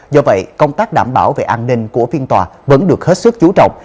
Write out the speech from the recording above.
do vậy công tác đảm bảo về an ninh của phiên tòa vẫn được hết sức chú trọng